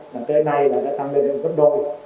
và tới nay là đã tăng lên gấp đôi